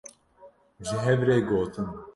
ji hev re gotin